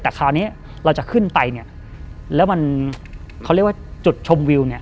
แต่คราวนี้เราจะขึ้นไปเนี่ยแล้วมันเขาเรียกว่าจุดชมวิวเนี่ย